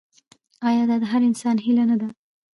آیا دا د هر انسان هیله نه ده؟